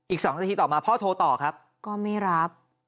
อีก๒นาทีต่อมาพ่อโทรต่อครับก็ไม่รับ